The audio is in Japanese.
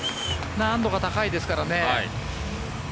難度が高いですからね。